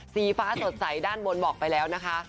สีฟ้าสดใสด้านบนบอกไปแล้วนะคะ